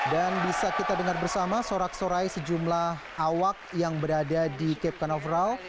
dan bisa kita dengar bersama sorak sorai sejumlah awak yang berada di cape canaveral